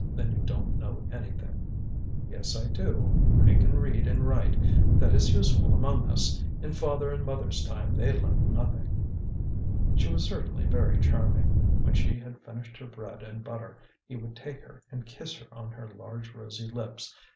Then you don't know anything." "Yes, I do. I can read and write. That is useful among us; in father and mother's time they learnt nothing." She was certainly very charming. When she had finished her bread and butter, he would take her and kiss her on her large rosy lips.